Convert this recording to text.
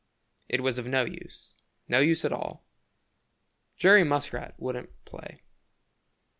It was of no use, no use at all. Jerry Muskrat wouldn't play.